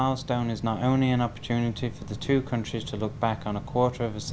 đối với nhiều các nước